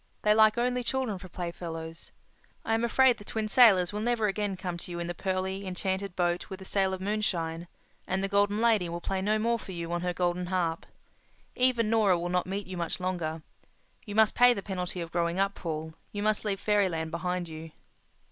They like only children for playfellows. I am afraid the Twin Sailors will never again come to you in the pearly, enchanted boat with the sail of moonshine; and the Golden Lady will play no more for you on her golden harp. Even Nora will not meet you much longer. You must pay the penalty of growing up, Paul. You must leave fairyland behind you."